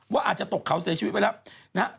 ว่าอาจจะตกเขาเสียชีวิตไปแล้วนะฮะ